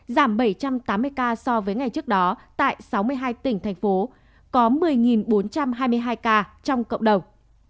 giảm bảy trăm tám mươi ca so với ngày trước đó tại sáu mươi hai tỉnh thành phố có một mươi bốn trăm hai mươi hai ca trong cộng đồng